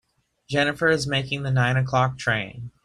Jennifer is making the nine o'clock train.